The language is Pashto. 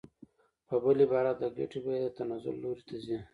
په بل عبارت د ګټې بیه د تنزل لوري ته ځي